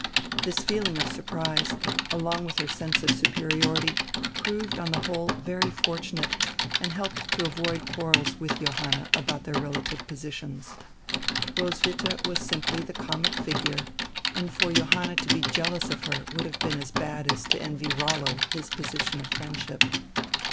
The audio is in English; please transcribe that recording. This feeling of surprise, along with her sense of superiority, proved on die whole very fortunate and helped to avoid quarrels with Johanna about their relative posi tions. Roswitha was simply the comic figure, and for Johanna to be jealous of her would have been as bad as to envy Rollo his position of friendship.